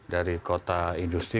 dari kota industri